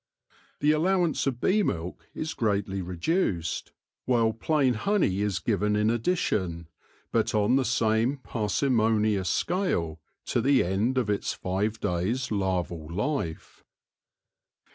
The allowance of bee milk is greatly reduced, while plain honey is given in addition, but on the same parsimonious scale, to the end of its five days* larval life.